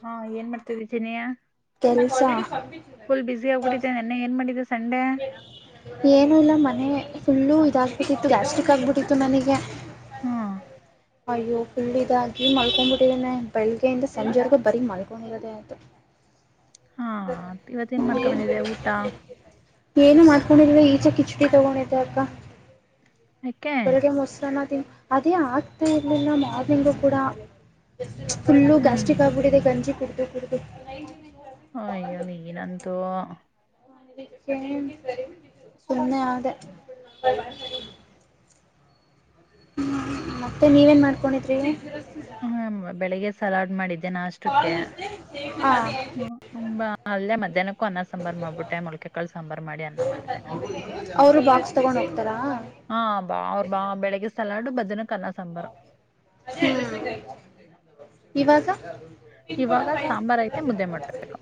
ಹಾ ಏನ್ ಮಾಡ್ತೀಯ ಚಿನ್ನಿ ಸಹ ಫುಲ್ ಬಿಸಿ ಆಗ್ಬಿಟ್ಟಿದೆೆ ನಿನ್ನೆ ಏನ್ ಮಾಡಿದೆ ಏನು ಇಲ್ಲ ಮನೇ ಫುಲ್ಲು ಇದಾಗಬಿಟ್ಟಿತ್ತು ಗಾಸ್ಟಿಕ್ ಆಗ್ಬಿಟ್ಟಿತ್ತು ನನಗೆ ಹ್ಮ್ ಅಯ್ಯೋ ಫುಲ್ ಇದಾಗಿ ಮಲ್ಕೊಂಡ್ಬಿಟ್ಟಿದೇನೆ ಬೆಳಗ್ಗೆಯಿಂದ ಸಂಜೆವರೆಗು ಬರೀ ಮಲ್ಕೊಂಡಿರೋದೆ ಆಯ್ತು ಹಾ ಇವತ್ತ ಏನ್ ಮಾಡ್ಕೊ ಬಂದಿದೆ ಊಟ [inaudible] ಏನು ಮಾಡ್ಕೊಂಡಿಲ್ಲ ಈಚೆ ಕಿಚುಡಿ ತಗೊಂಡಿದ್ದೆ ಅಕ್ಕ ಯಾಕೆ ಬೆಳಿಗ್ಗೆ ಮೊಸರನ್ನ ತಿನು ಅದೇ ಆಗ್ತ ಇರ್ಲಿಲ್ಲ ಮಾರ್ನಿಂಗ್ ಗೂ ಕೂಡ ಫುಲ್ಲು ಹ್ಮ್ ಗ್ಯಾಸ್ಟ್ರಿಕ್ ಆಗ್ಬಿಟ್ಟಿದೆ ಗಂಜಿ ಕುಡಿದು ಕುಡಿದು ಹ ಅಯ್ಯೋ ಅದಕ್ಕೆ ನೀನು ಅಂತೂ ಸುಮ್ಮನೆ ಆದೆ ಹ್ಮ ಮತ್ತೆ ನೀವೇನ್ ಮಾಡ್ಕೊಂಡಿದ್ರಿ ಹ್ಮ ಬೆಳಿಗ್ಗೆ ಸಲಾಡ್ ಮಾಡಿದ್ದೆ ನಾಷ್ಟಕ್ಕೆ ಹ ಹುಂಬಾ ಅಲ್ಲೇ ಮಧ್ಯಾಹ್ನಕ್ಕೂ ಅನ್ನ ಸಾಂಬಾರಾರ್ ಮಾಡ್ಬಿಟ್ಟೆ ಮೊಳ್ಕೆಕಾಳು ಸಾಂಬರೂ ಮಾಡಿ ಅನ್ನ ಮಾಡಿದೆ ಅವರು ಬಾ ಹಾ ಬಾ ಅವ್ರ ಬಾ ಬೆಳಿಗ್ಗೆ ಸಲಾಡು ಬ ಅನ್ನಾ ಸಾಂಬಾರ್ ಹ್ಮ್. ಇವಾಗ ಸಾಂಬಾರ್ ಐತೆ ಮುದ್ದೆ ಮಾಡ್ಬೇಕು [inaudible]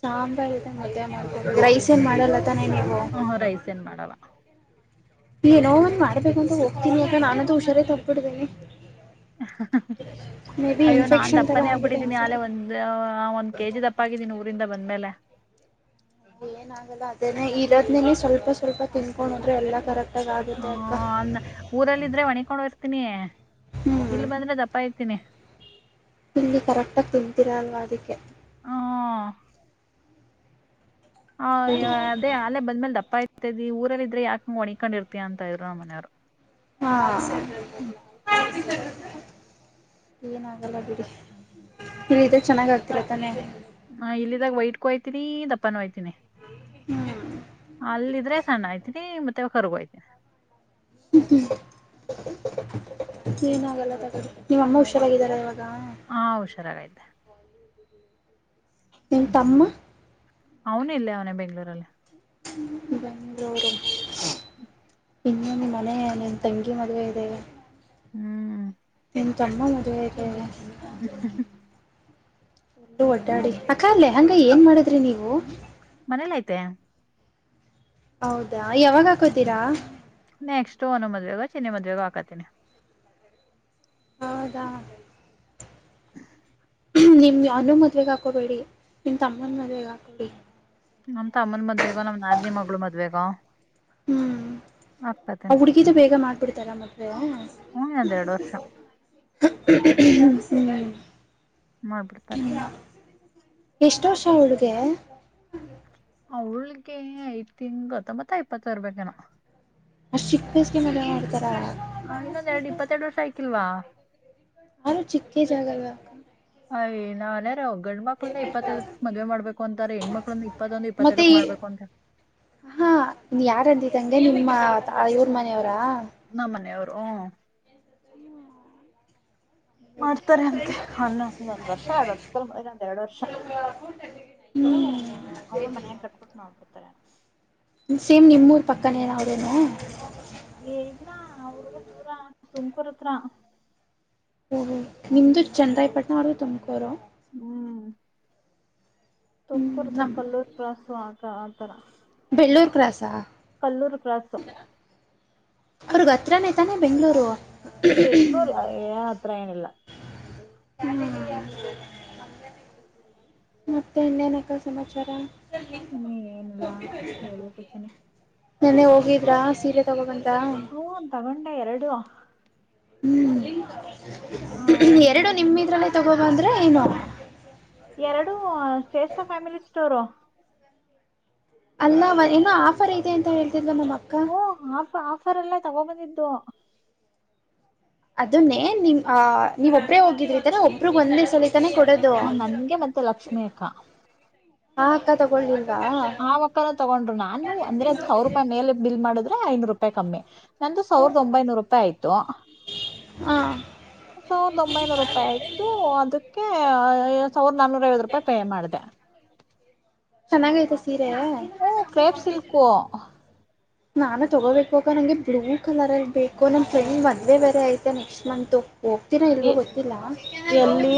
ಸಾಂಬಾರ ಮದ ರೈಸ ನ್ ಮಾಡಲ್ಲ ತಾನೆ ನೀವು ಹ ರೈಸ್ ಏನ್ ಮಾಡಲ್ಲ ಏನೋ ಒಂದು ಮಾಡ್ಬೇಕಂತ ಹೋಗ್ತೀನಿ ಅಕ್ಕ ನಾನಂತು ಹುಷಾರೇ ತಪ್ಪಿಡ್ತಿನಿ [inaudible] ಅಯ್ಯೋ ನಾನ್ ಇನ್ಫೆಕ್ಷನ್ ತರ ದಪ್ಪನೇ ಆಗಿದೆ ಆಗ್ಬಿಟ್ಟಿದ್ದೀನಿ ಅನ್ಸುತ್ತೆ ಆಲೆ ಒಂದ್ ಒಂದ್ ಕೆಜಿ ದಪ್ಪಗಿದ್ದೀನಿ ಊರಿಂದ ಬಂದ್ಮೇಲೆ ಏನ ಆಗಲ್ಲ ಅದೇನೆ ಇದದ್ನ ಸ್ವಲ್ಪ ಸ್ವಲ್ಪ ತಿನ್ಕೊಂಡು ಹೋದ್ರೆ ಎಲ್ಲಾ ಕರ ಹ ಅ ಊರಲ್ಲಿ ಇದ್ರೆ ಒಣಿಕೊಂಡ ಬರ್ತೀನಿ ಇಲ್ ಹ್ಮ್ ಬಂದ್ರೆ ದಪ್ಪ ಐತೀನಿ ತಿನಿ ಇಲ್ಲಿ ಕರೆಕ್ಟಾಗಿ ತಿಂತೀರಾ ಅಲ್ವಾ ಅದಕ್ಕೆ ಹ್ಮ್ ಹ ಬಿಡಿ ಅದೇ ಆಲೆೇ ಬಂದ್ಮೇಲೆ ದಪ್ಪ ಆಯ್ತ ಮದಿ ಊರಲ್ಲ ಇದ್ರೆ ಯಾಕಂಗ ಹೊಣಕೊಂಡಿರ್ತೀಯ ಅಂತ ಇದ್ಮ್ಮ ಮನೆಯವರು ಹಾ ಏನಾಗಲ್ಲ ಬಿಡಿ ನೀವ ಇದೇ ಚೆನ್ನಾಗ್ ಆಗ್ತಿರ ತಾನೆ ದಪ್ಪಯ್ತೀನಿ ಹ್ಮ್ ಅಲ್ಲ ಇದ್ರೆ ಸಣ್ಣ ಆಯ್ತೀನಿ ಮತ್ತ ವ ಹರಪಯತ [inaudible] ಹ್ಮ ಹ್ಮ್ ಏನಾಗಲ್ಲ ತಡಿ ನಿಮ್ಮ ಅಮ್ಮ ಹುಷಾರಾಗಾರ ಇವಾಗ ಹಾ ಹುಷಾರಾಗೈತೆೆ ನಿ ತಮ್ಮ ಅವನು ಇಲ್ಲೇ ಅವನ ಬೆಂಗ್ಳೂರಲ್ಲಿ ಬೆಂಳೂರು [inaudible] ಇನ್ನೇನು ಮನೆ ನಿನ್ ತಂಗಿ ಮದ್ವೆ ಇದೆ ಹ್ಮ್ ಇ ನಿಮ್ ತಮ್ಮ ಮದುವೆ ಆಯ್ತೇನೋ ಹ್ಮ ಒ ಒಡ್ಡಾಡಿ ಅಕ್ಕ ಲೆಹೆಂಗಾ ಏನ್ ಮಾಡಿದ್ರಿ ನೀವು ಮನೇಲ್ಲಿ ಐತೆ ಹೌದಾ ಯಾವಾಗ ಹಾಕೋತೀರಾ ನೆಕ್ಸ್ಟ್ ಒನ್ೋ ಮದ್ವೆಗ ಚಿನ್ನನೆ ಮದ್ವೆಗ ಹಾಕಾತೀಿನಿ ಹೌದಾ ನಿಮ್ ಅನ್ನು ಮದ್ವೆಗ ಹಾಕೋಬೇಡಿ ನಿಮ್ ತಮ್ಮನ ಮದ್ವೆಗ್ ಹಾಕಬೇಡಿ ನಮ್ ತಮ್ಮನ ಮದ್ವೆೇಗ ನಮ್ ನಾದಿನಿ ಮಗಳು ಮದ್ವೆೇಗ ಹ್ಮ್ ಅವ ಹುಡ್ಗಿದು ಬೇಗ ಮಾಡ್ಬಿಡ್ತಾರ ಮತ್ತೆ ಹನ್ ಅದ ಎರಡು ವರ್ಷ ಹ ಸ ಮಾಡ್ಬಿಡ್ತಾರ ಎಷ್ಟ ವರ್ಷ ಹುಳ್ಗೆ ಆ ಹುಳ್ಿಗೆ ಐ್ ತಿಂಗ್ ಗತ್ತ ಮತ್ತ ಐಪ್ಪತ್ತರ್ ಬೇನ ಅಷ್ಟ್ ಚಿಕ್ಕೇಸ್ಗೆ ಮೇಲೆ ಏನ್ ಮಾಡ್ತಾರಾ ಹ ಇನ್ನೊಂದೆರಡು ಇಪ್ಪತ್ತೆರಡು ವರ್ಷ ಆಯಕಿಲ್ವಾ ಯಾರು ಚಿಕ್ಕೆ ಜಾಗಲ್ಲ ಅಯ ನಳೆರು ಗಂಡ್ಮಕ್ಳನ್ನ ಇಪ್ಪತ್ತೈದಕ್ ಮದ್ವೆ ಮಾಡ್ಬೇಕು ಅಂತಾರೆ ಹೆಣ್ಮಕ್ಳನ್ನ ಇಪ್ಪತ್ತೊಂದು ಮತ್ತೆ ಇಪ್ಪತ್ತೆರಡಕ್ ಈ ಮಾಡ್ಬೇಕು ಅಂತ ಹಾ ನೀ ಯಾರಂದಿದ್ದಂಗೆ ನಿಮ್ಮ ಇವ್ರ ಮನೆಯವರಾ ನ ಮನೆಯ ಅವರು ಹ ಮಾಡ್ತಾರೆ ಅಂತೆ ಅನ್ನಂದ ಒಂದ್ ವರ್ಷ ಎರಡ್ ವರ್ಷಕ್ಕೆ ಒಂದ್ ಎರಡ್ ವರ್ಷ ಹ್ಮ್ ಅವರು ಮನ ಕಟ್ಬಟ್ು ನೋಬಿಡ್ತಾರೆ ಸೇಮ್ ನಿಮ್ಮೂರ್ ಪಕ್ಕನ ಏನ ಅವದೇನ ಏ ಇಲ್ಲ ಅವ್ರಗ ದೂರ ತುಮಕೂರ್ತ್ರ ಹ ನಿಮ್ದು ಚಂದ್ರಾಯಪಟ್ಟಣ ಅವ್ರಗ ತುಮಕೂರು ಹ್ಮ್ ಹ್ಞೂ ತುಮಕೂರ್ದ್ರ ನಮ್ಮ ಕಲ್ಲೂರ್ ಕ್ರಾಾಸು ಆಗ ಆತರ ಎಲ್ಲೂರು ಕ್ರಾಾಸ ಕಲ್ಲೂರು ಪ್ರಾಸ ಅವ್ರಗ ಹತ್ರನೇ ತಾನೆ ಬೆಂಗ್ಗಳೂರು ಬೆಂಗ್ಳೂರ್ ಹತ್ರ ಏನಿಲ್ಲ ಮತ್ತೆ ಇನ್ನೇನಕ್ಕಲ್ ಸಮಾಚಾರ ಇನ್ನ ಏನಿಲ್ಲ ಹೇಳ್ಬೇಕು ಚಿನ್ನಿ ನೆನ್ನೆ ಹೋಗಿದ್ರಾ ಸೀರೆ ತಗೋಬಂತ ಹೂ ತಗೊಂಡ ಎರಡು ಹ ಹ್ಮ್ ಒಂದ್ ಎರಡು ನಿಮ ಇದ್ರಲ್ಲೇ ತಗೋುವ ಅಂದ್ರೆ ಏನು ಎರಡು ಶ್ರೇಷ್ಠ ಫ್ಯಾಮಿಲಿ ಸ್ಟೋರು ಅಲ್ಲ ಇನ್ನ ಆಫರ್ ಇದೆ ಅಂತ ಹೇಳಿ ಹ್ಮ ಆಫ ಆಫರ್ ಎಲ್ಲ ತಗೋ ಬಂದಿದ್ದು ಅದನ್ನೇ ನಿಮ್ ಅ ನೀವ ಒಬ್ರೇ ಹೋಗಿದ್ರಿರ ಒಬ್ರಗ್ ಒಂದನೇ ಸಲ ತಾನೆ ಕೊಡೋದು ಹಾ ನನ್ಗೆ ಮತ್ತೆ ಲಕ್ಷ್ಮಿ ಅಕ್ಕ ಹಾ ಅಕ್ಕ ತೊಗೊಂಡಿಿ ಆ ವಕ್ಕನ ತಗೊಂಡ್ರು ನಾನು ಅಂದ್ರೆ ಅ್ ಸಾವಿರ ರೂಪಾಯಿ ಮೇಲೆ ಬಿಲ್ ಮಾಡಿದ್ರೆ ಐನೂರು ರೂಪಾಯಿ ಕಮ್ಮಿ ನಂದು ಸಾವಿರದ ಒಂಬೈನೂರು ರೂಪಾಯಿ ಆಯ್ತು ಹಾ ಸಾವಿರದ ಒಂಬೈನೂರು ರೂಪಾಯಿ ಆಯ್ತು ಅದಕ್ಕೆ ಸಾವಿರದ ನಾನೂರ ಐವತ್ತು ರೂಪಾಯಿ ಪೇ ಮಾಡಿದೆ ಚೆನ್ನಾಗಐ್ತ ಸೀರೆಯ ಹ್ಮ ಕ್ರೇಪ್ ಸಿಲ್ಕು ನಾನು ತಗೋಬೇಕುವಾಗ ನಂಗೆ ಬ್ಲೂ ಕಲರ್ ಇಗ್ಬೇಕು ನಮ್ ಫ್ರೆಂಡ್ ಒಂದ್ೇ ಬೇರೆ ಐತೆ ನೆಕ್ಸ್ಟ್ ಮಂತು ಹೋಗ್ತೀರಾ ಇಲ್ವ ಎ- ಗೊತ್ತಿಲ್ಲ ಎಲ್ಲಿ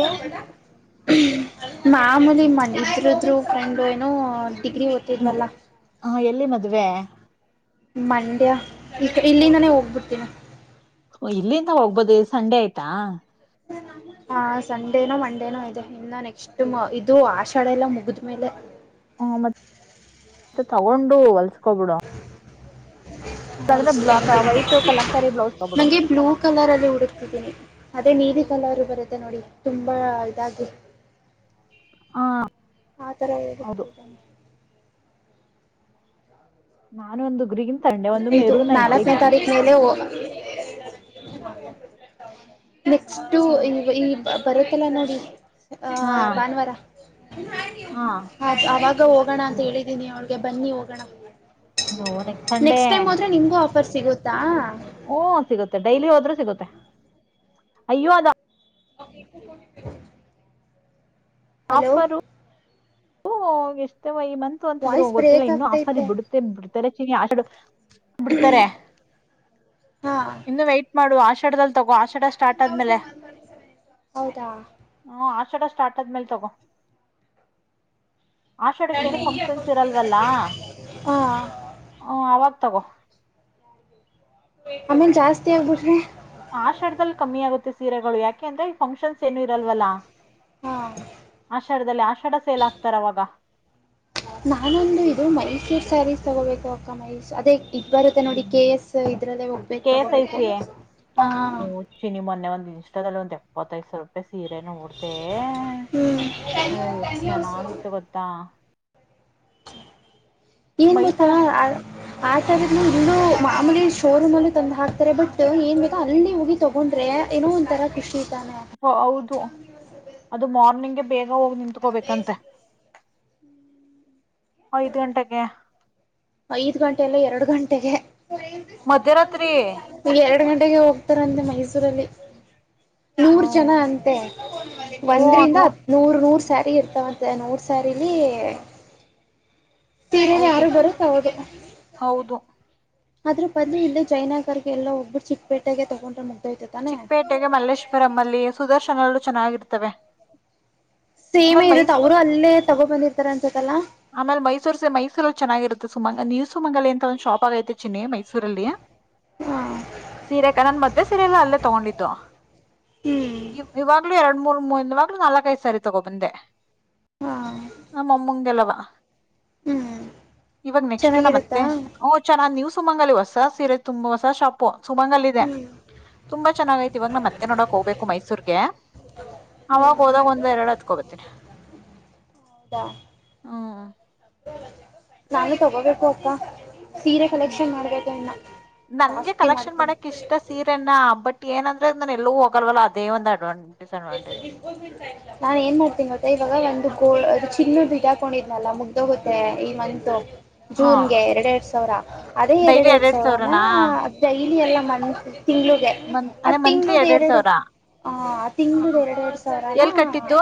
ಮಾಮೂಲಿ ಮನ ಇದ್ರದರು ಫ್ರೆಂಡು ಏನು ಡಿಗ್ರಿ ಹೊತ ಮಲ್ಲ ಅುವೆ ಮಂಡ್ಯ ಇಲ್ಲಿಂದಾನೇ ಹೋಗ್ಬಿಡ್ತೀನ ಇಲ್ಲಿಂದ ಹೋಗ್ಬೋದು ಸಂಡೆ ಆಯ್ತಾ ಹ್ಮ ಹ ಸಂಡೇನೋ ಮಂಡೇನೋ ಇದೆ ಇನ್ನ ನೆಕ್ಸ್ಟ್ ಇದು ಆಷಾಡೆ ಎಲ್ಲ ಮುಗಿದ್ಮೇಲೆ ಹೂ ಮತ್ತ ಮತ್ತ ತಗೊಂಡು ಹೊಲ್ಸ್ಕೊಬಿಡು ಇಲ್ಲಾಂದ್ರೆ ಬ್ಲಾಕ್ ವೈಟ್ ಕಲಂಕಾರಿ ಬ್ಲೌಸ್ ತಗೋಬಿಡು ನಂಗೆ ಬ್ಲೂ ಕಲರ್ ಅಲ್ಲಿ ಹುಡುಕ್ತಿದ್ದೀನಿ ಅದೇ ನೀರಿ ಕಲರು ಬರುತ್ತೆ ನೋಡಿ ತುಂಬಾ ಇದಾಗಿ ಹ ಆ ತರ ಹೌದು ಹೋಗತಿದ್ದನೆ ನಾನು ಒಂದು ಗುರಿಗಿಿಂದ ಇದು ನಾಲ್ಕನೇ ತಾರೀಖ ಮೇಲೆ ನೆಕ್ಸ್ಟ್ ಹಾ ಇ ಈ ಬರತ್ತಲ್ಲ ನೋಡಿ ಹಾ ಭಾನುವಾರ ಈಗ ಹೋಗೋಣ ಅಂತ ಹೇಳಿದೀನಿ ಅವಳಿಗೆ ಬನ್ನಿ ಹೋಗೋಣ ಹ ಒ ನೆಕ್ಸ್ಟ್ ಟೈಮ್ ಹೋದ್ರೆ ನಿಮ್ಗೂ ಆಫರ್ ಸಿಗುತ್ತಾ ಹೂ ಸಿಗುತ್ತೆ ಡೈಲಿ ಹೋದ್ರೆ ಸಿಗುತ್ತೆ ಅಯ್ಯೋ ಅದ ಹ ಆಫರು ಹೂ ಎಷ್ಟೇವ ಈ ಮಂತು ಅಂತಿದ್ರು ವಾಯ್ಸ್ ಗೊತ್ತಿಲ್ಲ ಬ್ರೇಕ್ ಇನ್ನುೂ ಆಫರ್ ಆಗ್ತೈತೆ ಬಿಡುತ್ತೆ ಬಿಡ್ತಾರೆ ಚೀ ಬಿಡ್ತಾರೆ ಹಾ ಇನ್ನು ವೈಟ್ ಮಾಡು ಆಷಾಡದಲ್ಲಿ ತಗೋ ಆ ಹೌದಾ ೊ ಸ್ಟಾರ್ಟ ಆದಮೇಲೆ ತಗೋ ಆಷಡಕ್ಕ ಏನು ಫಂಕ್ಷನ್ಸ್ ಇರಲ್ವಲ್ಲ ಹಾ ಹ ಅವಾಗ ತಗೋ ಆಮೇಲ್ ಜಾಸ್ತಿ ಆಗ್ಬಿಟ್ರೆ ಆಷರದಲ್ಲಿ ಕಮ್ಮಿ ಆಗುತ್ತೆ ಸೀರೆಗಳು ಯಾಕೆ ಅಂದ್ರೆ ಈ ಫಂಕ್ಷನ್ಸ್ ಏನು ಇರಲ್ವಲ್ಲಾ ಹಾ ಆಷಾಢದಲ್ಲಿ ಆಷಾಢ ಸೇಲ್ ಆಗ್ತಾರ ಅವಾಗ ನಾನೊಂದು ಇದು ಮೈಸೂರ್ ಸ್ಯಾರೀಸ್ ತಗೋಬೇಕು ಅಕ್ಕ ಮೈಸೂರ್ ಅದೇ ಇದು ಬರುತ್ತೆ ನೋಡಿ ಕೆ ಎಸ್ ಇದ್ರಲ್ಲೇ ಹೋಗ್ಬೇಕು ಕೇ ಐ ತಗೋಬೇಕು ಸಿ ಹಾ ಹೂ ಚಿನ್ನಿ ಮೊನ್ನೆ ಒಂದ್ ಇಷ್ಟದಲ್ಲಿ ಒಂದ್ ಎಪ್ಪತ್ತೈದು ಸಾವಿರ ರೂಪಾಯಿ ಸೀರೆ ನೊ ಡ್ತೆೇ ಹ್ಮ್ ಹ ಎಷ್ಟ್ ಚೆನ್ನಾಗಿತ್ತು ಗೊತ್ತಾ ಏನ್ ಗೊತಾ ಮೈಸೂರ ಆತಾದ ಇಲ್ಲೂ ಮಾಮೂಲಿ ಶೋರೂಮ್ ಅಲ್ಲೂ ತಂದು ಹಾಕ್ತಾರೆ ಬಟ್ ಏನ್ ಬೇಕ ಅಲ್ಲಿ ಹೋಗಿ ತಗೊಂಡ್ರೆ ಏನೊ ಒಂತರ ಖಷಿ ತಾನೆ ಹೌದು ಅದು ಮಾರ್ನಿಂಗ್ಗೆ ಬೇಗ ಹೋಗಿ ನಿತ್ಕೋಬೇಕಂತೆ ಐದ್ ಗಂಟೆಗೆ ಐದ್ ಗಂಟೆ ಎಲ್ಲ ಎರಡು ಗಂಟೆಗೆ ಮಧ್ಯರಾತ್ರಿ ಈ ಎರಡು ಗಂಟೆಗೆ ಹೋಗ್ತಾರಂತೆ ಮೈಸೂರಲ್ಲಿ ಹ್ಮ ನೂರ್ ಜನ ಅಂತೆ ಒಂದ್ರಂದ ಹ್ಮ ನೂರ್ ನೂರ್ ಸ್ಯಾರಿ ಇರ್ತಾವಂತೆ ನೋಡ್ ಸಾರಿಲಿ ಸೀರೆಲಿ ಹೌದು ಯಾರು ಬರು ಹೌದು ಹೌದು ಅದ್ರು ಬಂದಲ್ಲಿಇೇ ಜೈನಾಾಗರ್ಗೆ ಎಲ್ಲಾ ಹೋಗಬಿಟ್ಟ ಚಿಕ್ಕಪೇಟೆಗೆ ತೊಗೊಂಡ್ರೆ ಚಿಕ್ಕಪೇಟೆಗೆ ಮಲ್ಲೇಶ್ವರಂಲ್ಲಿ ಸುದರ್ಶನಲ್ಲೂ ಚೆನ್ನಾಗಿರುತ್ತವೆ ಸೇಮೆ ಇರುತ್ತೆ ಅವರು ಅಲ್ಲೇ ತಗೊ ಬಂದಿರ್ತಾರ ಅನ್ಸತ್ತಲ್ಲಾ ಆಮೇಲೆ ಮೈಸೂರ್ ಸ ಮೈಸೂರಲ್ಲಿ ಚೆನ್ನಾಗಿರುತ್ತೆ ಸುಮಂಗ ನೀವು ಸುಮಂಗಲಿ ಅಂತ ಒಂದಂದು ಶಾಪ್ ಆಗೈತೆ ಚಿನ್ನಿ ಮೈಸೂರಲ್ಲಿ ಹಾ ಸೀರೆಕ ನನ್ ಮದ್ವೆ ಸೀರೆ ಎಲ್ಲ ಅಲ್ಲೇ ತಗೊಂಡತ್ತುು ಹ್ಮ್ ಇ ಇವಾಗ್ಲುೂ ಎರಡ್ ಮೂರ್ ಮೂವಾಗ್ಲುೂ ನಾಲ್ಕ ಐದು ಸರಿ ತಗೋಬಂದೆ ಹಾ ನಮ್ಮೂಂಗ ಎಲ್ಲ ವಾ ಹ್ಮ್ ಇವಾಗ ನೆಕ್ಸ್ಟ್ ನಮ್ ಚೆನ್ನಾಗಿರುತ್ತಾ ಮತ್ತೆ ಓ ಚೆನ್ನ ನೀವ್ಸ್ ಸುಮಂಗಲಿ ಹೊಸ ಸೀರೆ ತುಂಬ ಹೊಸ ಶಾಪು ಸುಮಂಗ ಅಲ್ಲಿದೆ ಇದೆ ತುಂಬಾ ಚೆನ್ನಾಗ ಐತಿ ಇವಾಗ ನಾಮ್ ಅತ್ತೇ ಮತ್ತೆ ನೋಡಕ್ ಹೋಗ್ಬೇಕು ಮೈಸೂರ್ಗೆ ಅವಾಗ ಹೋದಾಗ ಒಂದ ಎರಡು ಹೆತ್ಕೊಂಡುಬರ್ತೀನಿ ಹೌದಾ ನಾನು ತಗೋಬೇಕು ಅಕ್ಕ ಸೀರೆ ಕಲೆಕ್ಷನ್ ಮಾಡ್ಬೇಕ ನನ್ಗೆ ಜಾಸ್ತಿ ಕಲೆಕ್ಷನ್ ಮಾಡ್ತೀನಿ ಮಾಡಕ್ ಇಷ್ಟ ಸೀರೆನ ಬಟ್ ಏನಂದ್ರೆ ನನ್ನ ಎಲ್ಲೂ ಹೋಗಲ್ಲ್ಲ ಅದೇ ಒಂದು ಅಡ್ವಾಂಟೇಜ್ ಡಿಸ್ಅಡ್ವಾಂಟೇಜ್ ನಾ ಏನ್ ಮಾಡ್ತೀನಿ ಗೊತ್ತಾ ಇವಾಗ ಒಂದು ಅದು ಚಿನ್ನದುಡಾಕೊಂಡಿದ್ನಲ್ಲ ಮುಗ್ದ ಹತ್ತೆ ಈ ಮಂತ ಹಾ ಜೂನ್ಗೆ ಎರಡ್ ಎರಡ್ ಸಾವಿರ ಅದೇ ಎರಡ್ ಎರಡ್ ಸಾವಿರ ಡೈಲಿ ಎಲ್ಲ ತಿಂಗಳಗೆ ಮನ್ ಅ ಅಂದ್ರೆ ತಿಂಳ ಮಂತ್ಲಿ ಎರಡೆರಡ್ ಎರಡು ಸಾವಿರ ಹ ತಿಂಗಳ ಎರಡು ಎರಡು ಎಲ್ ಸಾವಿರನಾ ಕಟ್ಟಿದ್ದು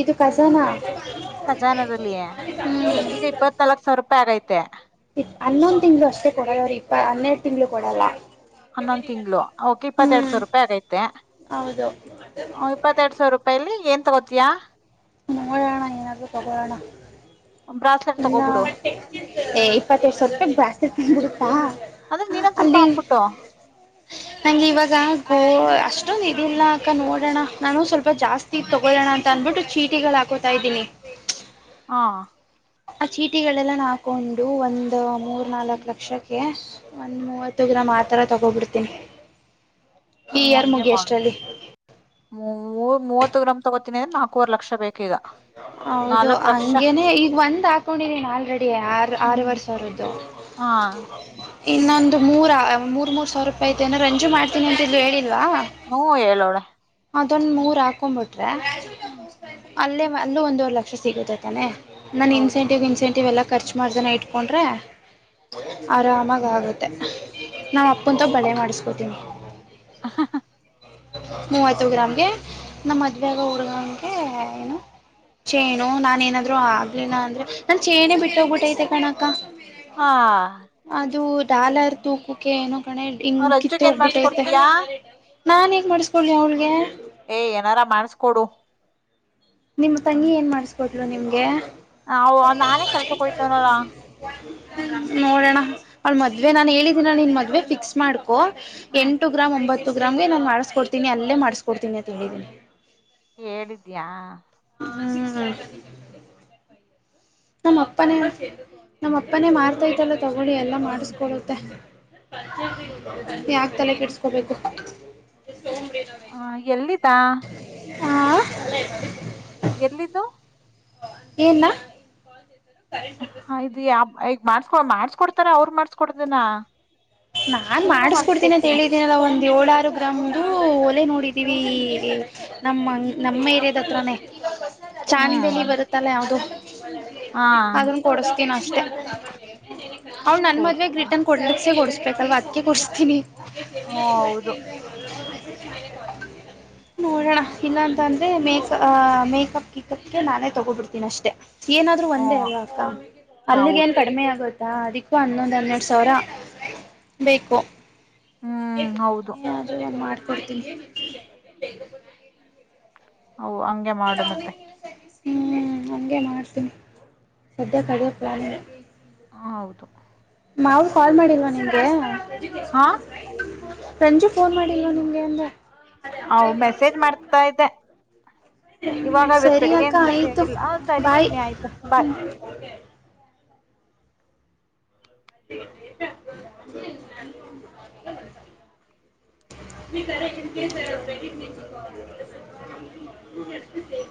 ಇದು ಕಸನಾ ಖಜಾನದಲ್ಲಿ ಹ್ಮ ಈ ಈಗ ಇಪ್ಪತ್ನಾಲ್ಕ್ ಸಾವಿರ ರೂಪಾಯಿ ಆಗೈತೆ ಹನ್ನೊಂದ್ ತಿಂಗ್ಗಳು ಅಷ್ಟೇ ಕೊಡಲ್ಲ ಅವ್ರಿ ಇಪ್ಪ ಹನ್ನೆರಡು ತಿಂಗ್ಗಳು ಕೊಡಲ್ಲ ಹನ್ನೊಂದ್ ತಿಂಗ್ಗಳು ಓಕೆ ಇಪ್ಪತ್ತ ಎರಡ್ ಹ್ಮ್ ಸಾವಿರ ರೂಪಾಯಿ ಆಗೈತೆ ಹೌದು ಹ ಇಪ್ಪತ್ತೆರಡ್ ಸಾವಿರ ರೂಪಾಯಿಲಿ ಏನ್ ತಗೋತಿಯಾ ಮಂಗಳಣ ನೀನಕ ತೊಗಣ ಬ್ರಾಸ್ಲೆಟ್ ತಗೋಬಿಡು ಇಪ್ಪತ್ತಡು ಸ್ವಲ್ಪ ಜಾಸ್ತಿ ಹ ಅಂದ್ರೆ ನೀನೊಂದ್ ಸ್ವಲ್ಪ ಅಲ್ಲಿ ಹಾಕ್ಬಿಟ್ಟು ನಂಗೆ ಇವಾಗ ಹ ಅಷ್ಟೊಂದಂದು ಇದಿಲ್ಲ ಅಕ ನೋಡೋಣ ನಾನು ಸ್ವಲ್ಪ ಜಾಸ್ತಿ ತಗೋಣ ಅಂತ ಅಂದ್ಬಿಟ್ಟು ಚೀಟ ಟಿ ಹಾಕೋತಾ ಇದೀನಿ ಹಾ ಆ ಚೀಟಿಗಳೆಲ್ಲಾನ ಹಾಕೊಂಡು ಒಂದ್ ಮೂರ್ ನಾಲ್ಕ್ ಲಕ್ಷಕ್ಕೆ ಒಂದ್ ಮೂವತ್ತು ಗ್ರಾಮ್ ಮಾತ್ರ ತಗೋಬಿಡ್ತೀನಿ ಈ ಯರ್ ಮುಗಿಯ ಅಷ್ಟಲ್ಲಿ ಮೂವ ಮೂವತ್ತು ಗ್ರಾಮ್ ತಗೋತೀನಿ ಏನ್ ನಾಲ್ಕವರೆ ಲಕ್ಷ ಬೇಕ ಈಗ ಹೌದು ಹಂಗೇನೆ ಈಗ ಒಂದ್ ಹಾಕೊಂಡಿರಿನ್ ಆಲ್ರೆಡಿ ಆರ್ ಆರ ಹ್ಮ್ ವರ್ಷ ಅವರದ್ದು ಹಾ ಇನ್ನೊಂದು ಮೂರ ಮೂರ್ ಮೂರ್ ಸಾವಿರ ರೂಪಾಯಿ ಐತೆ ಏನಾರು ರಂಜು ಮಾಡ್ತೀನಿ ಅಂತ ಇ ಹೇಳಿಲ್ವಾ ಹ್ಮ್ ಹೇಳಏಲ್ಲೋಳ ಅದೊಂದು ಮೂರು ಹಾಕೊಬಿಟ್ರೆ ಹ್ಮ್ ಅಲ್ಲೇ ಅಲ್ಲೂ ಒಂದೂರೆ ಲಕ್ಷ ಸಿಗುತ್ತೈ ತಾನೆ ನನ್ನ ಹೌದು ಇನ್ಸೆಂಟಿವ್ ಇನ್ಸೆಂಟಿವ್ ಎಲ್ಲ ಖರ್ಚು ಮಾಡ್ದನ ಇಟ್ಕೊಂಡ್ರೆ ಹ್ಮ್ ಆರಾಮಾಗಿಗುತ್ತೆ ನಾ ಅಪ್ಪಂತ ಬಳೆ ಮಾಡಿಸ್ಕೊತೀನಿ ಹ ಮೂವತ್ತು ಗ್ರಾಮ್ಗೆ ನಮ್ಮ ಮದುವಗ ಹುಡ್ಗಗೆ ಏನು ಚೇನು ನಾನ ಏನಾದ್ರು ಆಗ್ಲಿಲ್ಲ ಅಂದ್ರೆ ನಾನ್ ಚೇಣೇ ಬಿಟ್ಟೋಗ್ಬಿಟ್ಟೈತೆ ಕಣಕ್ಕ ಹಾ ಅದು ಡಾಲರ್ ತೂಕೋಕ್ಕೆ ಏನೋ ಕಣೆ ಹಿಂಗ್ ಅವ್ರ ಕಿತ್ತ ರಂಜುಕ್ ಏನ್ ಹೋಗ್ಬಿಟ್ಟೈತೆ ಮಾಡ್ಸ್ಕೊಡ್ತೀಯಾ ನಾನು ಹೇಗೆ ಮಾಡಿಸ್ಕೊಳ್ಳಿ ಅವ್ಳಿಗೆ ಏ ಏನಾರ ಮಾಡಸ್ಕೊಡು ನಿಮ್ಮ ತಂಗಿ ಏನು ಮಾಡಿಸ್ಕೊಟ್ರು ನಿಮಗೆ ಅವ್ ನಾನೇ ಕೆಲ್ಸಕ್ ಹೋಯ್ತವನಲ್ಲ ನೋಡಣ ಅವಳ ಮದ್ವೆ ನಾನ್ ಹೇಳಿದೀನ ನಿನ್ ಮದ್ವೆ ಫಿಕ್ಸ್ ಮಾಡ್ಕು ಹ್ಮ ಎಂಟು ಗ್ರಾಮ್ ಒಂಬತ್ತು ಸುಗ್ರಾಮ್ಗೆ ನಾನು ಮಾಡಸ್ಕೊಡ್ತೀನಿ ಅಲ್ಲೇ ಮಾಡ್ಕೊಡ್ತೀನಿ ಅಂತ ಹೇಳಿದೀನಿ ಹೇಳಿದ್ಯಾ ಹ್ಮ ನಮ್ಮ ಅಪ್ಪನೇ ನಮ್ಮ ಅಪ್ಪನೇ ಮಾರ್ತೈತಲ್ಲ ತಗೊಳ್ಳಿ ಎಲ್ಲ ಮಾಡಿಸಕೊಳ್ಳುತ್ತೆ ನೀ ಆಗ್ತಲೆ ಕೆಡ್ಸಕೋಬೇಕು ಹ ಎಲ್ಲಿದ್ದಾ ಆ ಎಲ್ಲಿದ್ದು ಏನ್ ಹ ಈಗ ಮಾಡ್ಸ್ಕೊ ಮಾಡ್ಸ್ಕೊಡ್ತಾರ ಅವರು ಮಾಡ್ಸ್ಕೊಡದನಾ ನಾನ್ ಮಾಡಿಸಕೊಡ್ತೀನಿ ಅಂತ ಹೇಳಿದೀನಲ್ಲ ಒಂದ್ ಏಳ್ರು ಗ್ರಾಮ್ ಒಲೆ ನೋಡಿ ವಿ ನಮ್ಮ ನಮ್ಮ ಏರಿಯಾದ ಹತ್ರಾನೇ ಚಾಂದ್ ಹ್ಮ್ ಬೆಲಿ ಬರುತ್ತಲ್ಲ ಯಾವ್ದು ಹಾ ಅದನ್ ಕೊಡಸ್ತೀನ ಅಷ್ಟೆ ಅವ್ ನನ್ನ ಮದುವೆಗೆ ಕೂಡ್ಸ್ಬ ರಿಟನ್ ಕೊಡ್ಲಿಕ್ಕೆಸೇ ಕೊಡ್ಸ ಪ್ರಕಾರಲ್ ಅದಕ ಕೊಡಸ್್ತೀನಿ ಹ ಹೌದು ನೋಡೋಣ ಇಲ್ಲಾಂತಂದ್ರೆ ಮೇಕ ಮೇಕಪ್ ಕಿಕಪ್ಗೆ ನಾನೇ ತಗೋಬಿಡ್ತೀನಿ ಅಷ್ಟೆ ಏನಾದ್ರೂ ಹ ಒಂದೇ ಅಲ್ವಾ ಅಕ್ಕ ಅಲ್ಲಿಗೆ ಏನ್ ಹೌದು ಕಡಿಮೆ ಆಗುತ್ತೆ ದಾ ಅದಿಕ್ಕೂ ಹನ್ನೊಂದು ಹನ್ನೆರಡ್ ಸಾವಿರ ಬೇಕು ಹ್ಮ್ ಹೌದು ಕೊಡ್ತನ [inaudible] ಹ ಹಂಗೆ ಮಾಡು ಮತ್ತೆ ಹ್ಮ ಹಗೆ ಮಾಡ್ತೀನಿ ಸದ್ಯ ಕಡಿಯೋ ಪ್ಲನ್ದೆ ಹೂ ಹೌದು [unintelligible] ಮಾರು ಕಾಲ್ ಮಾಡಿಲ್ವಾ ನಿಮ್ಗೆ ಹಾ ಸಂಜು ಫೋನ್ ಮಾಡಿವು ನಿಮಗೆ ಅಂದರೆ ಹ ಮೆಸೇಜ್ ಮಾಡ್ತಾ ಇದ್ದೆ ಇವಾಗ ಇವತ್ ಸರಿ ಅಕ್ಕ ಬೆಳಿಗ್ಗೆಯಿಂದ ಫ್ರೀ ಆಯ್ತು ಆಗಿಲ್ಲ ಆ ಸರಿ ಬಾಯ್ ಚಿನ್ನಿ ಆಯ್ತು ಬಾಯ್ ಹ್ಮ [inaudible] ಅ [inaudible] [unintelligible] ನೀ ಕಕ್ಷನ್ ಸ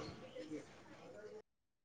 [inaudible] ಹ [unintelligible]